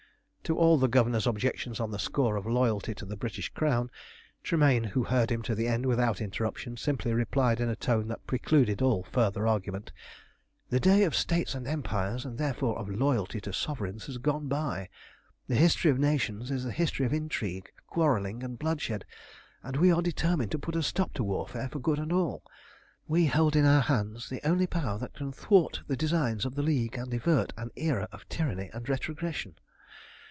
To all the Governor's objections on the score of loyalty to the British Crown, Tremayne, who heard him to the end without interruption, simply replied in a tone that precluded all further argument "The day of states and empires, and therefore of loyalty to sovereigns, has gone by. The history of nations is the history of intrigue, quarrelling, and bloodshed, and we are determined to put a stop to warfare for good and all. We hold in our hands the only power that can thwart the designs of the League and avert an era of tyranny and retrogression.